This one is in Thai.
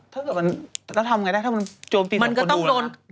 ถ้าทำยังไงได้ถ้ามันโจมตีต่อคนดูหรือเปล่า